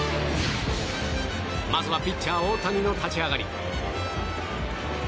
まずは、ピッチャー大谷の立ち上がり。